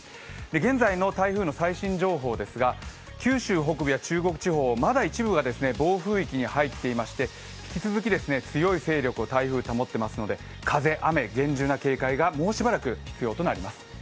現在の台風の最新情報ですが九州北部や中国地方まだ、一部が暴風域に入っていまして引き続き強い勢力を台風、保っていますので風、雨、厳重な警戒がもうしばらく必要となります。